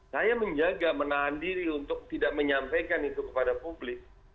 saya menjaga menahan diri untuk tidak menyampaikan itu kepada publik